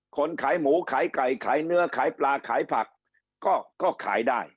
คนขายหมูขายไก่ขายเนื้อขายปลาขายผักก็ขายได้